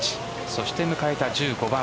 そして迎えた１５番。